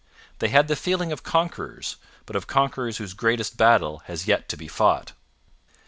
They had the feeling of conquerors, but of conquerors whose greatest battle has yet to be fought.